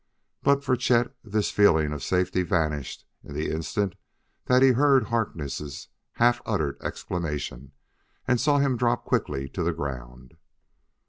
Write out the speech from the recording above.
But for Chet this feeling of safety vanished in the instant that he heard Harkness' half uttered exclamation and saw him drop quickly to the ground.